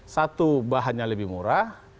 satu bahannya lebih murah